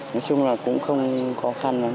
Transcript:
nói chung là cũng không khó khăn lắm